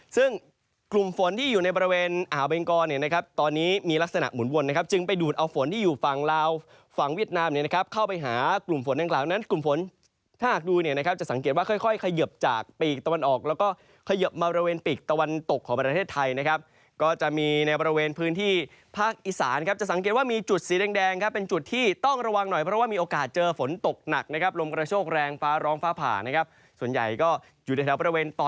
ซึ่งกลุ่มฝนที่อยู่ในบริเวณอาเบงกอเนี่ยนะครับตอนนี้มีลักษณะหมุนวนนะครับจึงไปดูดเอาฝนที่อยู่ฝั่งลาวฝั่งเวียดนามเนี่ยนะครับเข้าไปหากลุ่มฝนด้านข้างนั้นกลุ่มฝนถ้าหากดูเนี่ยนะครับจะสังเกตว่าค่อยเขยิบจากปีกตะวันออกแล้วก็เขยิบมาบริเวณปีกตะวันตกของประเทศไทยนะครับก็